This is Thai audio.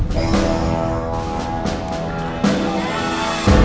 ฮิวเฮิลอัสสี